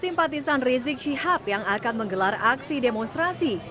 simpatisan rizik syihab yang akan menggelar aksi demonstrasi